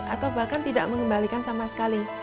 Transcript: atau bahkan tidak mengembalikan sama sekali